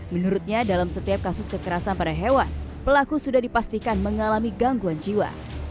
menurutnya dalam setiap kasus kekerasan pada hewan pelaku sudah dipastikan mengalami gangguan jiwa